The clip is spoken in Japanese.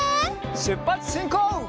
しゅっぱつしんこう！